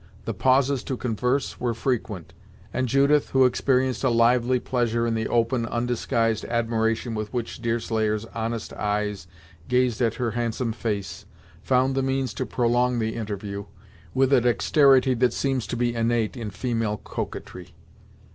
The pauses to converse were frequent, and Judith, who experienced a lively pleasure in the open, undisguised admiration with which Deerslayer's honest eyes gazed at her handsome face, found the means to prolong the interview, with a dexterity that seems to be innate in female coquetry.